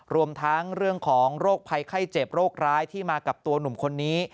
รวมทั้งเรื่องของโรคภัยไข้เจ็บโรคร้ายที่มากับตัวหนุ่มคนนี้